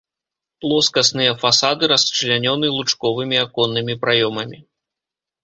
Плоскасныя фасады расчлянёны лучковымі аконнымі праёмамі.